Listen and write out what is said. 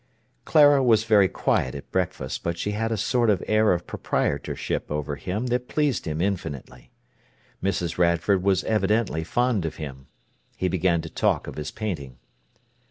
Clara was very quiet at breakfast, but she had a sort of air of proprietorship over him that pleased him infinitely. Mrs. Radford was evidently fond of him. He began to talk of his painting.